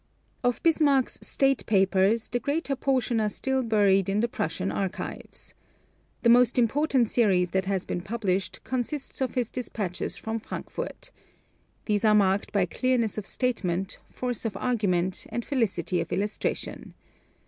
Of Bismarck's State papers, the greater portion are still buried in the Prussian archives. The most important series that has been published consists of his dispatches from Frankfort (Poschinger, Preussen im Bundestag, 1851 8, 4 vols.). These are marked by clearness of statement, force of argument, and felicity of illustration.